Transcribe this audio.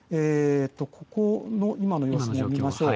ここの今の様子を見ましょう。